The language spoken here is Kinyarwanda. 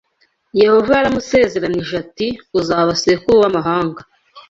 Yehova yaramusezeranyije ati uzaba sekuru w’amahanga